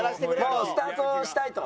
もうスタートしたいと。